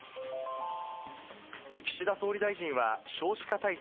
岸田総理大臣は、少子化対策